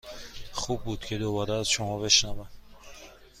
خوب بود که دوباره از شما بشنوم.